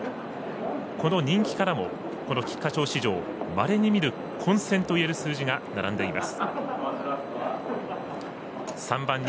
この人気からもこの菊花賞史上稀に見る混戦といえる数字が並んでいます。